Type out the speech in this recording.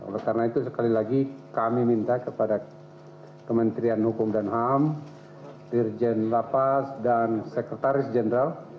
oleh karena itu sekali lagi kami minta kepada kementerian hukum dan ham dirjen lapas dan sekretaris jenderal